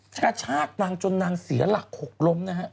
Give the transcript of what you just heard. ชาชากนางจนนางเสียหลัก๖ลมนะฮะ